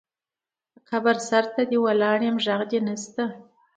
قبر سرته دې ولاړ یم غږ دې نه شــــته